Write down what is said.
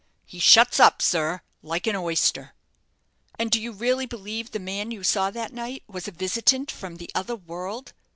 He shuts up, sir, like an oyster." "And do you really believe the man you saw that night was a visitant from the other world?"